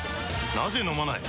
なぜ飲まない？